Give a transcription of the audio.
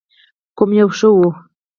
کوم یو ښه و؟